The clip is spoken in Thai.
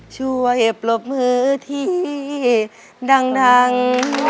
ช่วยปรบมือที่ดังดัง